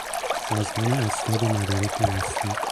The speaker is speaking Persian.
سازمان اسناد و مدارک رسمی